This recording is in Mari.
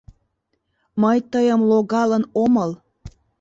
— Мый тыйым логалын омыл.